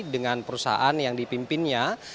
dengan perusahaan yang dipimpinnya